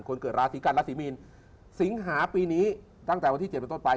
เกิดราศีกันราศีมีนสิงหาปีนี้ตั้งแต่วันที่๗เป็นต้นไป